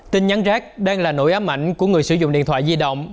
tin nhắn rác đang là nỗi ám ảnh của người sử dụng điện thoại di động